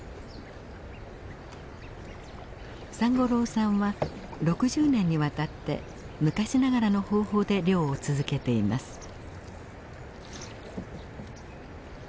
三五郎さんは６０年にわたって昔ながらの方法で漁を続けています。